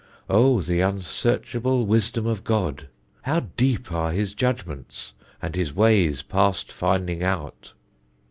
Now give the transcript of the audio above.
O the unsearchable wisdom of God! How deepe are his judgments, and his ways past fyndinge out!